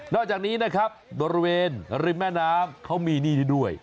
อกจากนี้นะครับบริเวณริมแม่น้ำเขามีนี่ด้วย